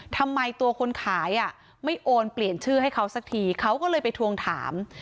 ทำไมตัวคนขายไม่โอนเปลี่ยนชื่อให้เขาสักทีเขาก็เลยไปทวงถาม